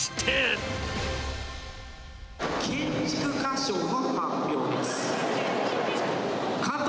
建築家賞の発表です。